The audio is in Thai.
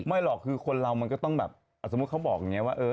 หรอกคือคนเรามันก็ต้องแบบสมมุติเขาบอกอย่างนี้ว่า